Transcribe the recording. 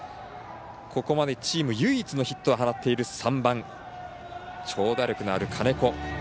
ここまでチーム唯一のヒットを放っている３番、長打力のある金子。